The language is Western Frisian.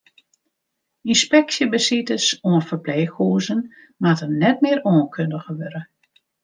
Ynspeksjebesites oan ferpleechhûzen moatte net mear oankundige wurde.